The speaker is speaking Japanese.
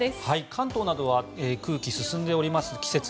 関東などは季節が進んでおります。